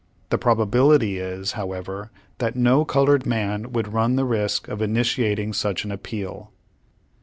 The probability is, however, that no colored man would run the risk of initiating such an appeal.